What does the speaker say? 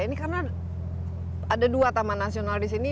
ini karena ada dua taman nasional disini